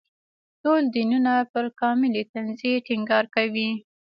ټول دینونه پر کاملې تنزیې ټینګار کوي.